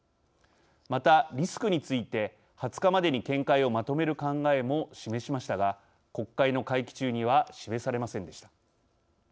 また、リスクについて２０日までに見解をまとめる考えも示しましたが国会の会期中には示されませんでした。